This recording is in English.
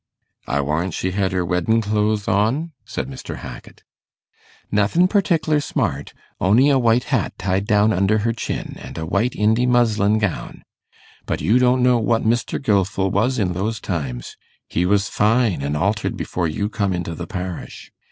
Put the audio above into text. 'I warrant she had her weddin' clothes on?' said Mr. Hackit. 'Nothin' partikler smart on'y a white hat tied down under her chin, an' a white Indy muslin gown. But you don't know what Mr. Gilfil was in those times. He was fine an' altered before you come into the parish.